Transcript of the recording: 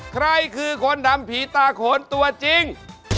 ใครคือคนดำผีตาโขนตัวจริง